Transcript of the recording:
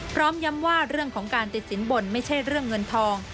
พร้อมย้ำว่าเรื่องของการติดสินบนไม่ใช่เรื่องเงินทอง